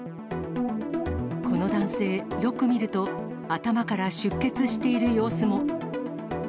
この男性、よく見ると、頭から出血している様子も。